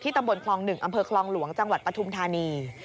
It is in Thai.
ที่ตำบลคลหนึ่งอำเภอคลหลวงจังหวัดปฐุมธานี